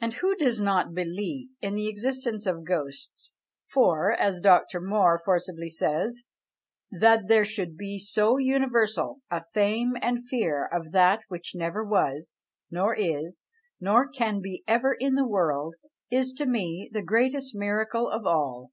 And who does not believe in the existence of ghosts? for, as Dr. More forcibly says "That there should be so universal a fame and fear of that which never was, nor is, nor can be ever in the world, is to me the greatest miracle of all.